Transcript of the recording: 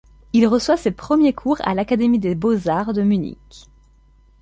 Il reçoit ses premiers cours à l’Académie des Beaux-Arts de Munich.